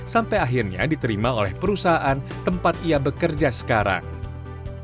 sampai akhirnya diterima oleh perusahaan tempat ia bekerja sekarang